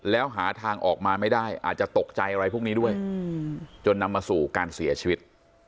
แล้วหาทางออกมาไม่ได้อาจจะตกใจอะไรพวกนี้ด้วยจนนำมาสู่การเสียชีวิต